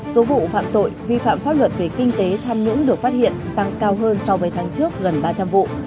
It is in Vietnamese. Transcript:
số vụ phạm tội vi phạm pháp luật về kinh tế tham nhũng được phát hiện tăng cao hơn so với tháng trước gần ba trăm linh vụ